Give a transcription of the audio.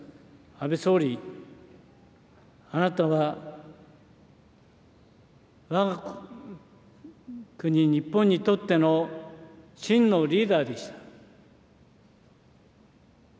安倍総理、あなたは、わが国日本にとっての真のリーダーでした。